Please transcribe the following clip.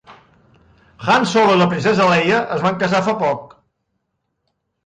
Han Solo i la princesa Leia es van casar fa poc.